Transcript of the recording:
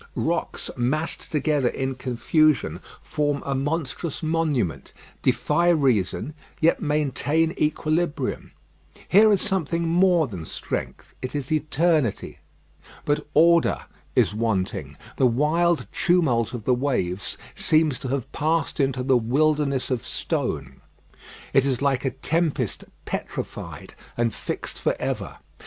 Rocks massed together in confusion form a monstrous monument, defy reason, yet maintain equilibrium. Here is something more than strength; it is eternity. But order is wanting. The wild tumult of the waves seems to have passed into the wilderness of stone. It is like a tempest petrified and fixed for ever.